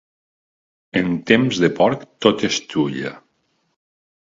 En temps de porc tot és xulla.